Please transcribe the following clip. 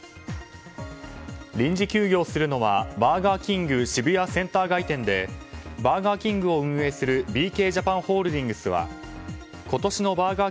臨時休業するのはバーガーキング渋谷センター街店でバーガーキングを運営するビーケージャパンホールディングスは今年のバーガー